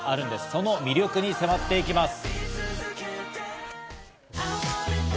その魅力に迫っていきます。